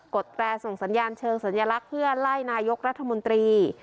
ดแตรส่งสัญญาณเชิงสัญลักษณ์เพื่อไล่นายกรัฐมนตรี